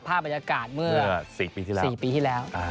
ภาพบรรยากาศเมื่อ๔ปีที่แล้ว